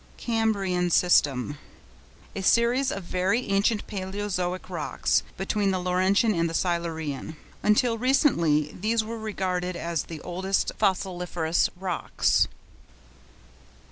CAMBRIAN SYSTEM.—A series of very ancient Palæozoic rocks, between the Laurentian and the Silurian. Until recently these were regarded as the oldest fossiliferous rocks.